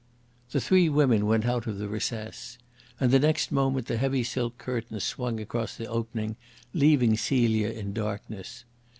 The three women went out of the recess. And the next moment the heavy silk curtains swung across the opening, leaving Celia in darkness.